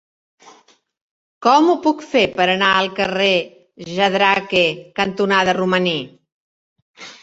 Com ho puc fer per anar al carrer Jadraque cantonada Romaní?